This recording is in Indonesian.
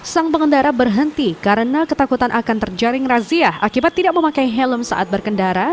sang pengendara berhenti karena ketakutan akan terjaring razia akibat tidak memakai helm saat berkendara